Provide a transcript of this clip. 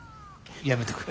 やめとく。